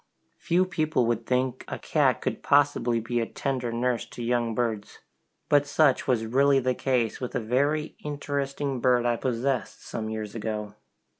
Few people would think a cat could possibly be a tender nurse to young birds! but such was really the case with a very interesting bird I possessed some years ago.